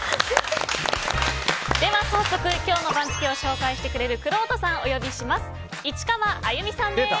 では早速、今日の番付を紹介してくれるくろうとさんお呼びします。